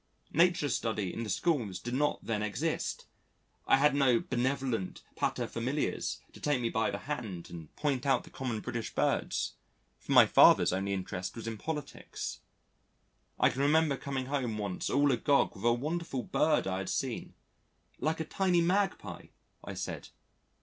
Nature Study in the schools did not then exist, I had no benevolent paterfamilias to take me by the hand and point out the common British Birds; for my father's only interest was in politics. I can remember coming home once all agog with a wonderful Bird I had seen like a tiny Magpie, I said.